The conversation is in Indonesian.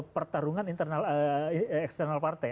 pertarungan internal external partai